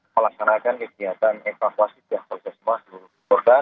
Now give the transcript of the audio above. melaksanakan kegiatan evaluasi pihak polisiasma seluruh korban